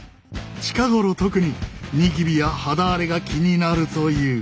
近頃特にニキビや肌荒れが気になるという。